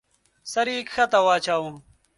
سر يې کښته واچاوه.